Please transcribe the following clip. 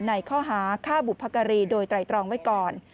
ในข้อหาฆ่าบุพการีโดยไตรตรองไว้ก่อน